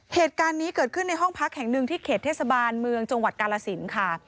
เหตุการณ์นี้เกิดขึ้นในห้องพักแห่งหนึ่งที่เขตเทศบาลเมืองจังหวัดกาลสินค่ะ